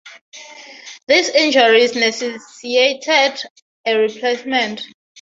These injuries necessitated a replacement.